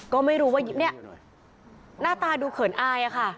ก็ไม่รู้ว่าเนี่ยหน้าตาดูเขินอายค่ะ